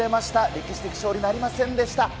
歴史的勝利なりませんでした。